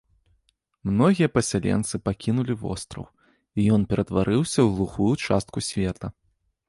Многія пасяленцы пакінулі востраў, і ён ператварыўся ў глухую частку света.